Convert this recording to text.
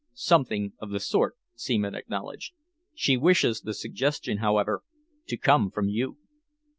"Something of the sort," Seaman acknowledged. "She wishes the suggestion, however, to come from you."